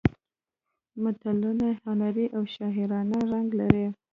متلونه هنري او شاعرانه رنګ لري